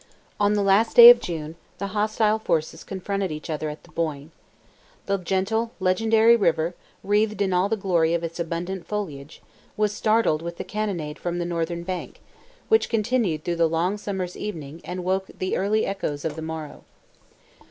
On the last day of June, the hostile forces confronted each other at the Boyne. The gentle, legendary river, wreathed in all the glory of its abundant foliage, was startled with the cannonade from the northern bank, which continued through the long summer's evening, and woke the early echoes of the morrow.